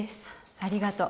ありがとう